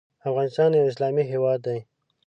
افغانستان یو اسلامی هیواد دی .